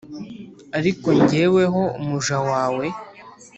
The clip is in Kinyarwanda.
Ariko jyeweho umuja wawe